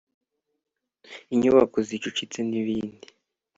inyubako zicucitse n’ibindi